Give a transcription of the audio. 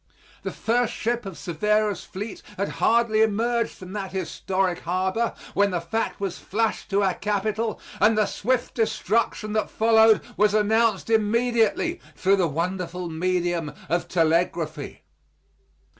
The first ship of Cervera's fleet had hardly emerged from that historic harbor when the fact was flashed to our Capitol, and the swift destruction that followed was announced immediately through the wonderful medium of telegraphy.